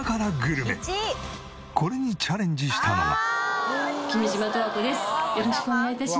これにチャレンジしたのは。